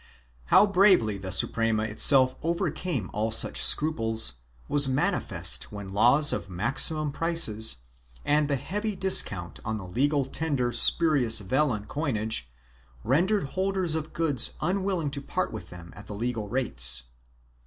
2 How bravely the Suprema itself overcame all such scruples was manifest when laws of maximum prices, and the heavy discount on the legal tender spurious vellon coinage, rendered holders of goods un willing to part with them at the legal rates.